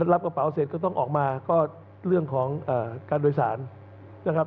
รับกระเป๋าเสร็จก็ต้องออกมาก็เรื่องของการโดยสารนะครับ